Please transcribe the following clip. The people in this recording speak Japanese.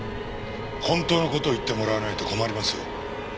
本当の事を言ってもらわないと困りますよ。